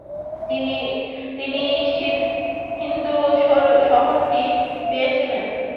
তিনি সিরহিন্দ শহরটি পেয়েছিলেন।